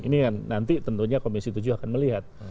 ini nanti tentunya komisi tujuh akan melihat